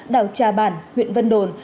đảo trà bản huyện vân đồn